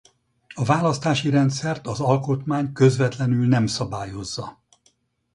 A választási rendszert az alkotmány közvetlenül nem szabályozza.